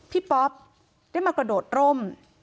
ป๊อปได้มากระโดดร่ม